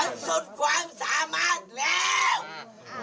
จะเปิดเลยทั้งสุดความสามารถแล้ว